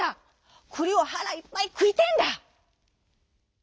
くりをはらいっぱいくいてえんだ」。